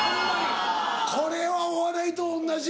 これはお笑いと同じ。